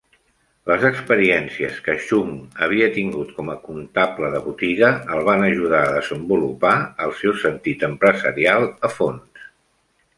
Les experiències que Chung havia tingut com a comptable de botiga el van ajudar a desenvolupar el seu sentit empresarial a fons.